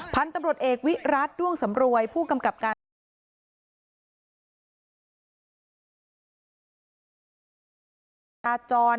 พันธุ์ตำรวจเอกวิรัติด้วงสำรวยผู้กำกับการ